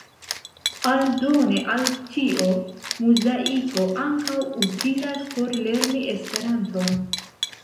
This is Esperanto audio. Aldone al tio, Muzaiko ankaŭ utilas por lerni Esperanton.